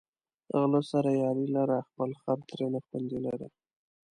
غله سره یاري لره، خپل خر ترېنه خوندي لره